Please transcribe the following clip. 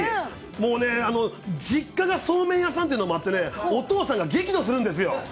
もうね、実家がそうめん屋さんっていうのもあってね、お父さんが激怒するんですよ。